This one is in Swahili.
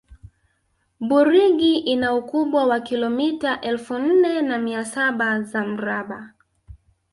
burigi ina ukubwa wa kilomita elfu nne na mia saba za mraba